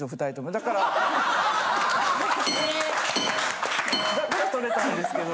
だから撮れたんですけど。